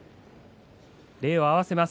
礼を合わせます。